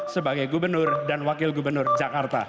sebagai gubernur dan wakil gubernur jakarta